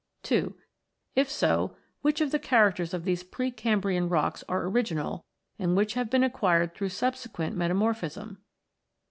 (ii) If so, which of the characters of these pre Cambrian rocks are original, and which have been acquired through subsequent metamorphism?